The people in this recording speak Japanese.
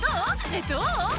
えっどう？」